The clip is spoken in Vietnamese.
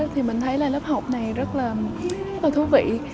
thì mình thấy là lớp học này rất là thú vị